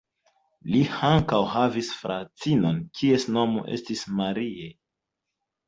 Li ankaŭ havis fratinon kies nomo estis Marie.